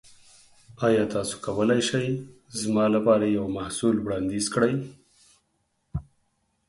ایا تاسو کولی شئ زما لپاره یو محصول وړاندیز کړئ؟